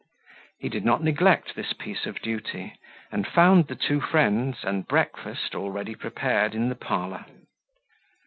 He did not neglect this piece of duty, and found the two friends and breakfast already prepared in the parlour.